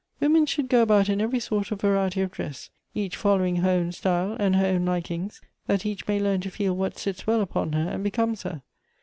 "Wo men should go about in every sort of variety of dress ; each following her own style and her own likings, that each may learn to feel what sits well upon her and becomes her.